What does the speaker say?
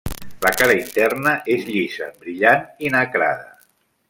La cara interna és llisa, brillant i nacrada.